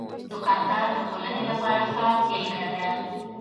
دوکاندار د ټولنې لپاره ښه بېلګه ده.